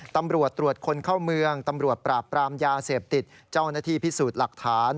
ตำรวจตรวจคนเข้าเมืองตำรวจปราบปรามยาเสพติดเจ้าหน้าที่พิสูจน์หลักฐาน